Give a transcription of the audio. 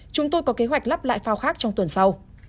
chúng tôi có kế hoạch lắp lại phao khác trong tuần sau